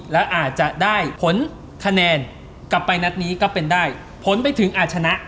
แล้วอาจจะได้ผลคะแนนกลับไปนัดนี้ก็เป็นได้ผลไปถึงอาจชนะ